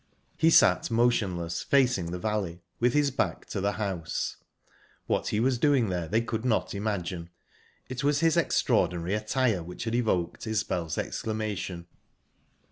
He sat motionless, facing the valley, with his back to the house; what he was doing there they could not imagine. It was his extraordinary attire which had evoked Isbel's exclamation.